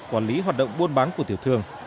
quản lý hoạt động buôn bán của tiểu thương